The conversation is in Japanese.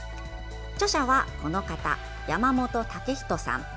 著者はこの方、山本健人さん。